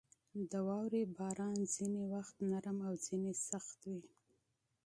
• د واورې باران ځینې وخت نرم او ځینې سخت وي.